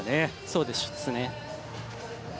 そうですね。